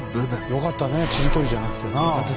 よかったねちりとりじゃなくてな。